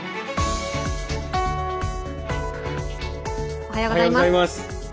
おはようございます。